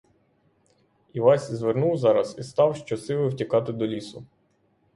Івась звернув зараз і став щосили втікати до лісу.